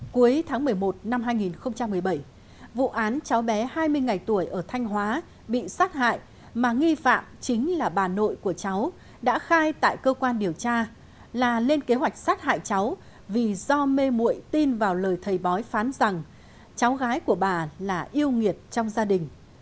cuối tháng một mươi một năm hai nghìn một mươi bảy vụ án cháu bé hai mươi ngày tuổi ở thanh hóa bị sát hại mà nghi phạm chính là bà nội của cháu đã khai tại cơ quan điều tra là lên kế hoạch sát hại cháu vì do mê mụi tin vào lời thầy bói phán rằng cháu gái của bà là yêu nghiệt trong gia đình